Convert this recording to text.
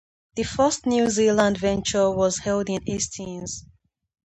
The first New Zealand venture was held in Hastings.